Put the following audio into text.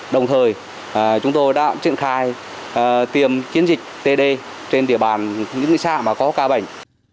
đồng thời chúng tôi đã triển khai tiêm chiến dịch td trên địa bàn những xã mà có ca bệnh